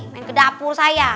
main ke dapur saya